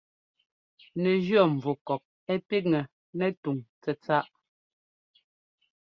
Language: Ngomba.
Nɛ jíɔ́ nvukɔp ɛ píkŋɛ nɛ túŋ tsɛ̂tsáʼ.